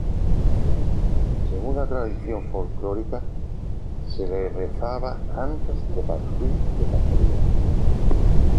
Según la tradición folclórica, se le rezaba antes de partir de cacería.